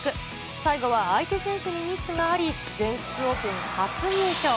最後は相手選手にミスがあり、全仏オープン初優勝。